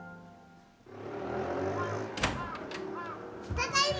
ただいま。